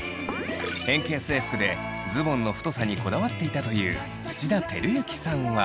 変形制服でズボンの太さにこだわっていたという土田晃之さんは。